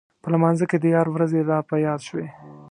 په لمانځه کې د یار ورځې راپه یاد شوې.